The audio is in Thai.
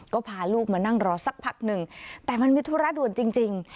ก็พาลูกมานั่งรอสักพักหนึ่งแต่มันมีธุระด่วนจริง